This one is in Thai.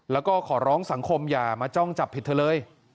แล้วก็ขอร้องสังคมอย่ามาจ้องจับผิดเธอเลย